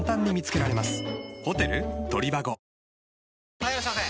・はいいらっしゃいませ！